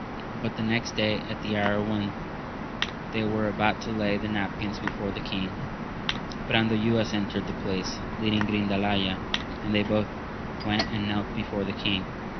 But the next day, at the hour when they were about to lay the napkins before the king, Brandoyuas entered the palace, leading Grindalaya, and they both went and knelt before the king.